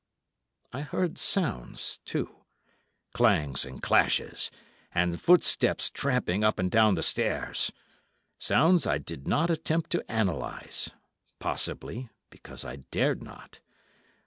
I heard sounds, too—clangs and clashes, and footsteps tramping up and down the stairs; sounds I did not attempt to analyse, possibly because I dared not.